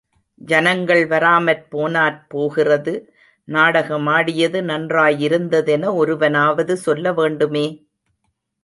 ஜனங்கள் வராமற் போனாற் போகிறது நாடகமாடியது நன்றாயிருந்ததென ஒருவனாவது சொல்ல வேண்டுமே!